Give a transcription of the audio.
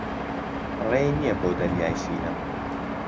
ڕێی نییە بۆ دەریای سینەم